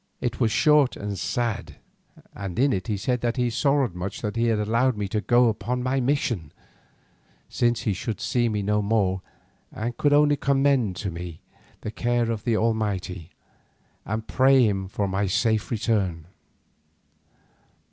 It was short and sad, and in it he said that he sorrowed much that he had allowed me to go upon my mission, since he should see me no more and could only commend me to the care of the Almighty, and pray Him for my safe return.